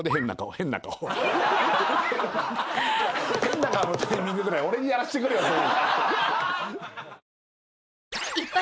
変な顔のタイミングぐらい俺にやらしてくれよと思う